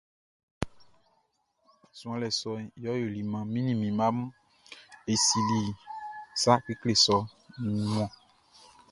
Suanlɛ sɔʼn yɛ ɔ yoli maan mi ni mi mma mun e sinnin sa kekle sɔʼn nun ɔn.